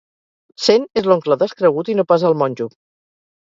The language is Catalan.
Cent és l'oncle descregut i no pas el monjo.